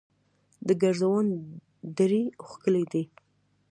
د ګرزوان درې ښکلې دي